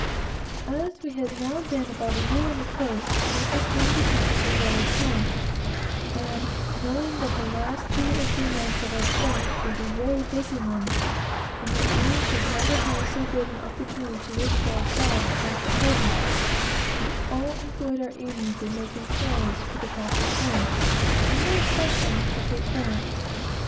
As we had now been about a year on the coast, it was time to think of the voyage home; and knowing that the last two or three months of our stay would be very busy ones, and that we should never have so good an opportunity to work for ourselves as the present, we all employed our evenings in making clothes for the passage home, and more especially for Cape Horn.